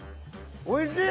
おいしい！